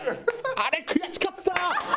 あれ悔しかった！